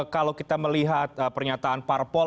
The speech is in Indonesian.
kalau kita melihat pernyataan parpol